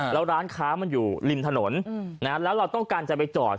แล้วร้านค้ามันอยู่ริมถนนแล้วเราต้องการจะไปจอด